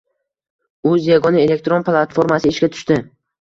uz” yagona elektron platformasi ishga tushdi